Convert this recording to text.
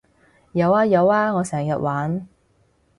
有呀有呀我成日玩